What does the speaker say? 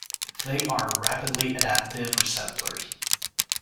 They are rapidly adaptive receptors.